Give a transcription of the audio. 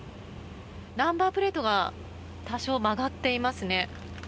ナンバープレートが多少、曲がっていますね。